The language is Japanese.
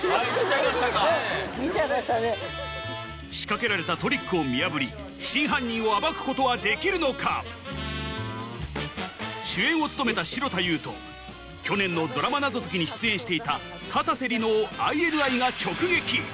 仕掛けられたトリックを見破り真犯人を暴くことはできるのか主演を務めた城田優と去年のドラマ謎解きに出演していたかたせ梨乃をＩＮＩが直撃